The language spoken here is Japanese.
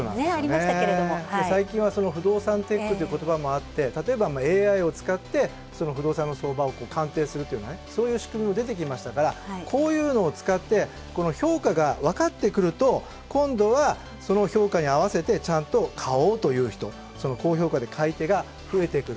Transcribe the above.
最近は、不動産テックということばもあって例えば、ＡＩを使って、不動産の相場を鑑定するというようなそういう仕組みも出てきましたから、こういうのを使って評価が分かってくると、今度は、その評価に合わせてちゃんと買おうという人、高評価で買い手が増えてくる。